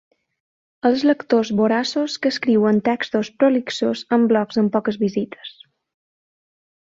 Els lectors voraços que escriuen textos prolixos en blogs amb poques visites.